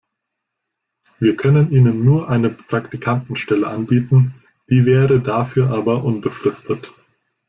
Wir können Ihnen nur eine Praktikantenstelle anbieten, die wäre dafür aber unbefristet.